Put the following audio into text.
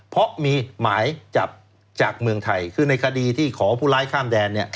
เพราะมีหมายจับจากเมืองไทยคือในคดีที่ขอผู้ร้ายข้ามแดนเนี่ย